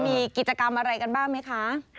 มีกิจกรรมอะไรกันบ้างไหมคะ